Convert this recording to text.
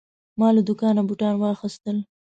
ما له دوکانه بوتان واخیستل.